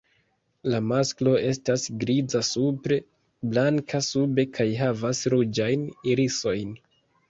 La masklo estas griza supre, blanka sube kaj havas ruĝajn irisojn.